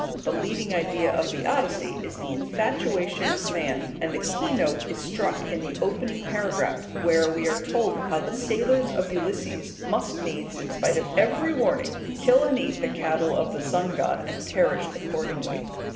The leading idea of the Odyssey is the infatuation of man, and the key note is struck in the opening paragraph, where we are told how the sailors of Ulysses must needs, in spite of every warning, kill and eat the cattle of the sun god, and perished accordingly.